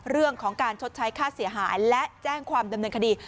เรื่องของการชดใช้ค่าเสียหายและแจ้งความดำเนินคดี